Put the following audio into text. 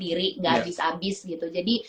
diri gak abis abis gitu jadi